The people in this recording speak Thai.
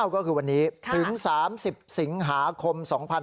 ก็คือวันนี้ถึง๓๐สิงหาคม๒๕๖๒